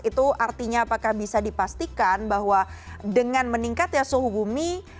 itu artinya apakah bisa dipastikan bahwa dengan meningkatnya suhu bumi